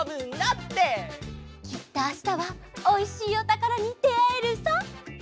きっとあしたはおいしいおたからにであえるさ！